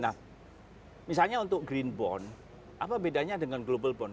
nah misalnya untuk green bond apa bedanya dengan global bond